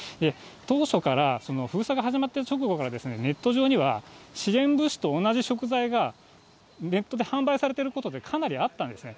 当初から、封鎖が始まった直後から、ネット上には支援物資と同じ食材が、ネットで販売されてることってかなりあったんですね。